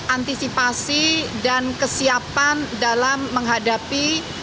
antisipasi dan kesiapan dalam menghadapi